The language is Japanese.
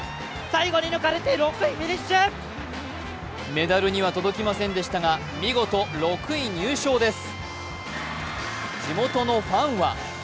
メダルには届きませんでしたが見事６位入賞です。